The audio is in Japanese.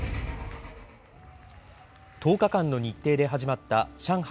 １０日間の日程で始まった上海